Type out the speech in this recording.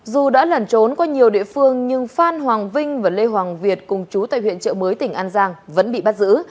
dù đã lẩn trốn qua nhiều địa phương nhưng phan hoàng vinh và lê hoàng việt cùng chú tại huyện trợ mới tỉnh an giang vẫn bị bắt giữ